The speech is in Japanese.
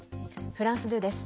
フランス２です。